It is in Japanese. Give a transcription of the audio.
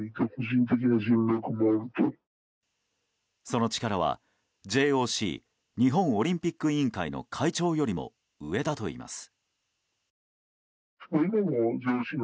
その力はＪＯＣ・日本オリンピック委員会の会長よりも上だといいます。